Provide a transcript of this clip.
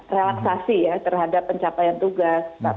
relaksasi ya terhadap pencapaian tugas